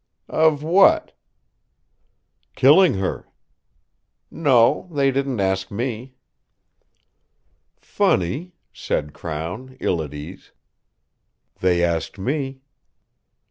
"Of what?" "Killing her." "No; they didn't ask me." "Funny," said Crown, ill at ease. "They asked me."